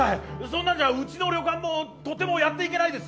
そんなんじゃうちの旅館もとてもやっていけないですよ！